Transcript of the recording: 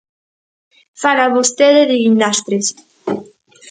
Fala vostede de guindastres.